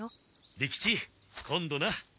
利吉今度な。